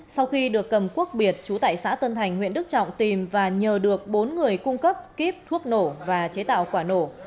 sau khi được cầm quốc biệt chú tại xã tân thành huyện đức trọng tìm và nhờ được bốn người cung cấp kíp thuốc nổ và chế tạo quả nổ